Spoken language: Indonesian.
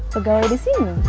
pegawai di sini